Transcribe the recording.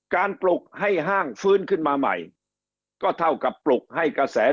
ปลุกให้ห้างฟื้นขึ้นมาใหม่ก็เท่ากับปลุกให้กระแส